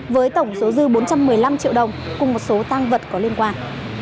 với tổng số dư bốn trăm một mươi năm triệu đồng cùng một số tăng vật có liên quan